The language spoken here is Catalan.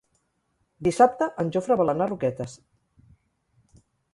Dissabte en Jofre vol anar a Roquetes.